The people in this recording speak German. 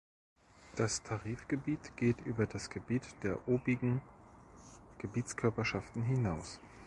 Das Tarifgebiet geht über das Gebiet der obigen Gebietskörperschaften hinaus.